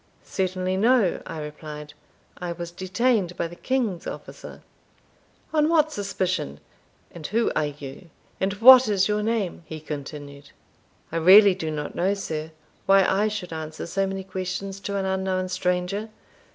"Certainly no," I replied; "I was detained by the king's officer." "On what suspicion? and who are you? or what is your name?" he continued. "I really do not know, sir," said I, "why I should answer so many questions to an unknown stranger.